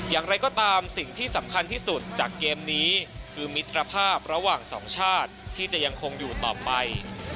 อย่างไรก็ตามสิ่งที่สำคัญที่สุดจากเกมนี้คือมิตรภาพระหว่างสองชาติที่จะยังคงอยู่ต่อไป